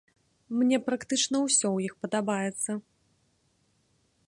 Мне практычна ўсё ў іх падабаецца.